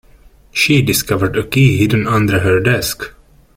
She discovered a key hidden under her desk.